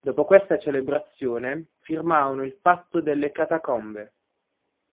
Dopo questa celebrazione, firmarono il "Patto delle Catacombe".